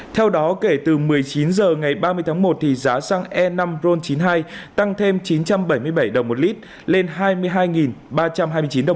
theo đó kể từ một mươi chín h ngày ba mươi tháng một giá xăng e năm ron chín mươi hai tăng thêm chín trăm bảy mươi bảy đồng một lít lên hai mươi hai ba trăm hai mươi chín đồng